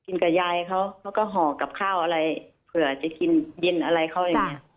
กับยายเขาเขาก็ห่อกับข้าวอะไรเผื่อจะกินเย็นอะไรเขาอย่างนี้